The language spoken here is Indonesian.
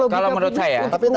kalau menurut saya